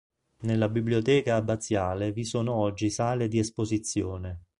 Nella biblioteca abbaziale vi sono oggi sale di esposizione.